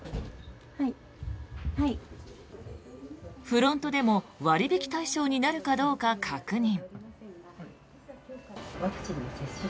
フロントでも割引対象になるかどうか確認。